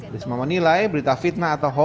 risma menilai berita fitnah atau hoax